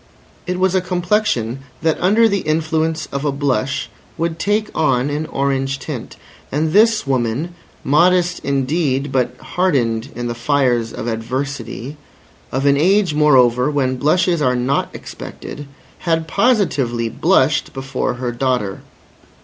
It was a complexion, that under the influence of a blush would take on an orange tint. And this woman, modest indeed but hardened in the fires of adversity, of an age, moreover, when blushes are not expected, had positively blushed before her daughter.